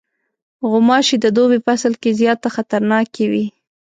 غوماشې د دوبی فصل کې زیاته خطرناکې وي.